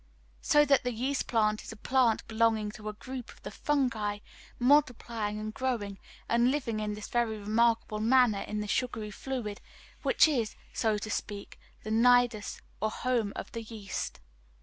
So that the yeast plant is a plant belonging to a group of the Fungi, multiplying and growing and living in this very remarkable manner in the sugary fluid which is, so to speak, the nidus or home of the yeast.